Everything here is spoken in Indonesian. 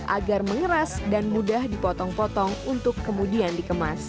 agar mengeras dan mudah dipotong potong untuk kemudian dikemas